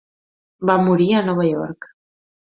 Va morir a Nova York.